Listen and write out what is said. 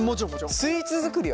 スイーツ作りは？